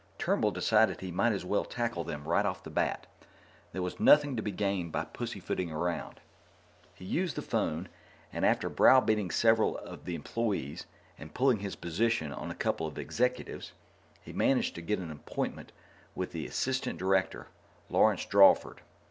Turnbull decided he might as well tackle them right off the bat; there was nothing to be gained by pussyfooting around. He used the phone, and, after browbeating several of the employees and pulling his position on a couple of executives, he managed to get an appointment with the Assistant Director, Lawrence Drawford.